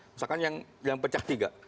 misalkan yang pecah tiga